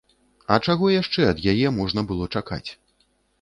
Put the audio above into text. А чаго яшчэ ад яе можна было чакаць?